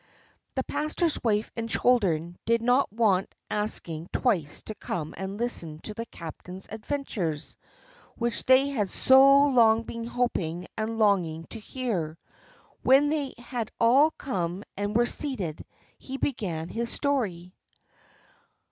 The pastor's wife and children did not want asking twice to come and listen to the captain's adventures, which they had so long been hoping and longing to hear. When they had all come and were seated, he began his story.